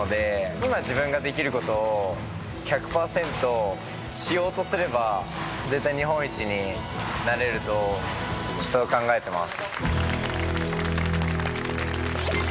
今自分ができる事を１００パーセントしようとすれば絶対日本一になれるとそう考えてます。